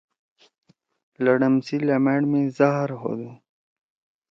لَڑم سی لیمأڑ می زاہر ہودُو۔